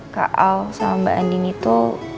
kak al sama mbak andin itu